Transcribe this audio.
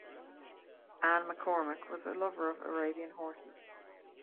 Anne McCormick was a lover of Arabian horses.